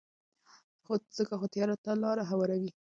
ځکه خو تیارو ته لارې هواروي.